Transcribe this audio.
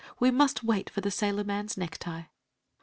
We must wait for the sailorman's necktie."